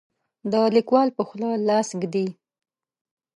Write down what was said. د لیکوال په خوله لاس ږدي.